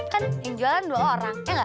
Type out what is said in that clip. kan yang jualan dua orang ya gak